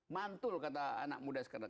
mantul kata anak muda sekarang